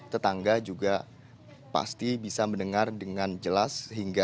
tetangga juga pasti bisa mendengar dengan jelas hingga